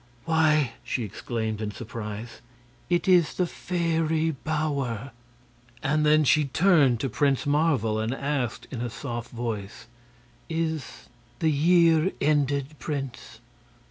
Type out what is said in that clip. "Why," she exclaimed, in surprise, "it is the Fairy Bower!" And then she turned to Prince Marvel and asked in a soft voice: "Is the year ended, Prince?"